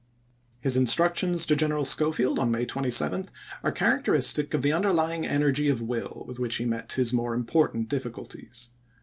His instructions to Greneral Schofield, on May 27, are characteristic of the underlying energy of 1863. will with which he met his more important diffi culties.